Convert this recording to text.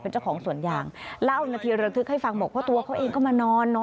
เจ้าของสวนยางเล่านาทีระทึกให้ฟังบอกว่าตัวเขาเองก็มานอน